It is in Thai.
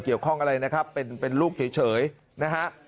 เกี่ยวข้องอะไรนะครับเป็นลูกเฉยนะฮะ